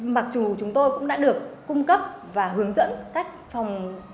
mặc dù chúng tôi cũng đã được cung cấp và hướng dẫn cách phòng